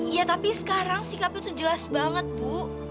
iya tapi sekarang sikapnya tuh jelas banget bu